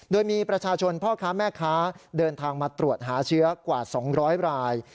โดยมีประชาชนพ่อค้าแม่ค้าเดินทางมาตรวจหาเชื้อกว่า๒๐๐ราย